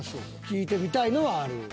聞いてみたいのはある。